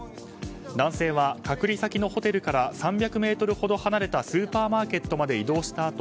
男性は、隔離先のホテルから３００ｍほど離れたスーパーマーケットまで移動したあと